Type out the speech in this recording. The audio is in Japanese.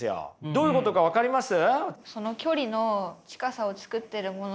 どういうことか分かります？